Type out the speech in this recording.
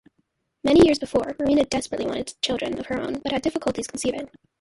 Many years before, Marina desperately wanted children of her own but had difficulties conceiving.